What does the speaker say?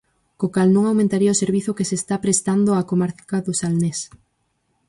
Co cal non aumentaría o servizo que se está prestando á comarca do Salnés.